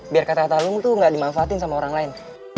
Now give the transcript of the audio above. biar kata talung tuh gak dimanfaatin sama orang lain